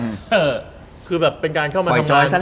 ก็คือแบบเป็นการเข้ามาทำงาน